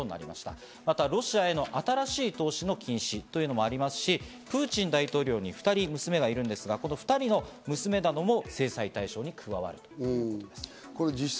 またロシアへの新しい投資の禁止というのもありますし、プーチン大統領に２人娘がいるんですが、この２人の娘なども制裁対象に加わるということです。